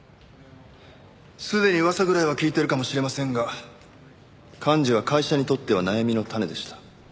すでに噂ぐらいは聞いているかもしれませんが寛二は会社にとっては悩みの種でした。